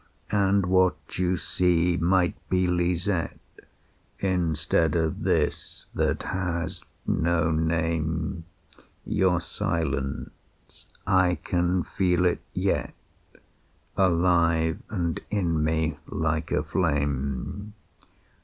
"And what you see might be Lisette, Instead of this that has no name. Your silence I can feel it yet, Alive and in me, like a flame.